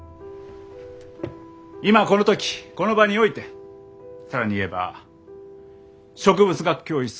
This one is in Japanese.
今この時この場において更に言えば植物学教室